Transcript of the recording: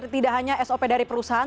tidak hanya sop dari perusahaan